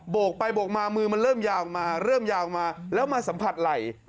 กไปโบกมามือมันเริ่มยาวออกมาเริ่มยาวออกมาแล้วมาสัมผัสไหล่